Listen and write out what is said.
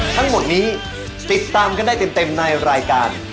ทั้งหมดนี้ติดตามกันได้เต็มในรายการ